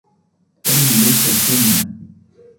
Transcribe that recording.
هذه ليست جملةً.